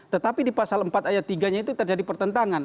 tetapi di pasal empat ayat tiga nya itu terjadi pertentangan